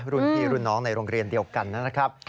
รุ่นพี่รุ่นน้องในโรงเรียนเดียวกันนะครับ